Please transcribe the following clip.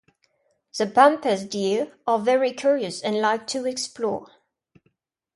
The Pampas deer are very curious and like to explore.